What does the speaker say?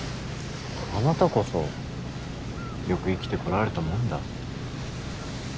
あなたこそよく生きてこられたもんだ。